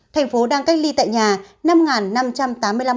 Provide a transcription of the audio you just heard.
thành phố đang cách ly tại nhà năm năm trăm tám mươi một